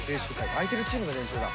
相手のチームの練習だ。